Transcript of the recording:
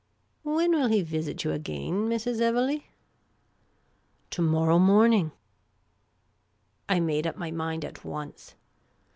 " When will he visit you again, Mrs. Kvelegh ?"" To morrow morning." I made up my mind at once.